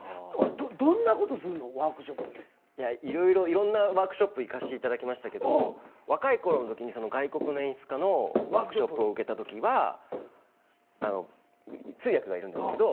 いろんなワークショップ行かせていただきましたけど若いころのときに外国の演出家のワークショップを受けたときは通訳がいるんですけど。